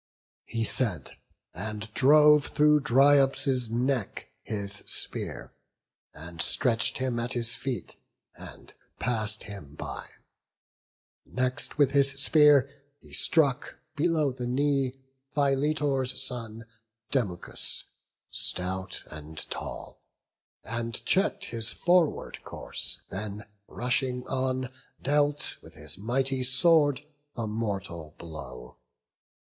He said, and drove through Dryops' neck his spear, And stretch'd him at his feet, and pass'd him by. Next with his spear he struck below the knee Philetor's son, Demuchus, stout and tall, And check'd his forward course; then rushing on Dealt with his mighty sword the mortal blow.